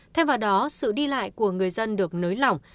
thêm vào đó sự đi lại của người dân được nới lỏng